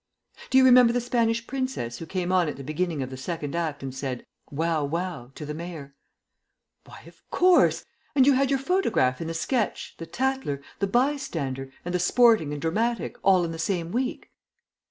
"Do you remember the Spanish princess who came on at the beginning of the Second Act and said, 'Wow wow!' to the Mayor?" "Why, of course! And you had your photograph in The Sketch, The Tatler, The Bystander, and The Sporting and Dramatic all in the same week?"